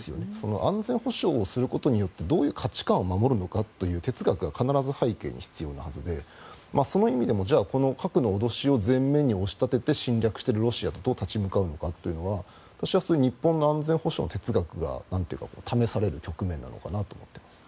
安全保障をすることによってどういう価値観を守るのかという哲学が必ず背景に必要なはずでその意味でもじゃあこの核の脅しを前面に押し立てて侵略しているロシアとどう立ち向かうのかというのは私は日本の安全保障の哲学が試される局面なのかなと思っています。